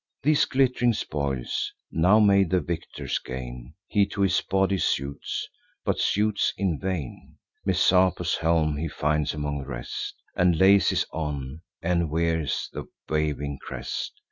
These glitt'ring spoils (now made the victor's gain) He to his body suits, but suits in vain: Messapus' helm he finds among the rest, And laces on, and wears the waving crest.